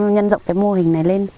nhân rộng cái mô hình này lên